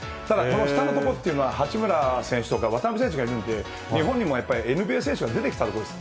この下のところというのは、八村選手とか選手とか渡邊選手がいるので日本にもやっぱりＮＢＡ選手が出てきたところです。